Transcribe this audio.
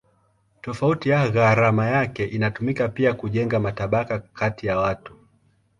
Tofauti ya gharama yake inatumika pia kujenga matabaka kati ya watu.